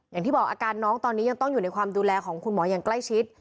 อย่างที่บอกอาการน้องตอนนี้ยังต้องอยู่ในความดูแลของคุณหมออย่างใกล้ชิด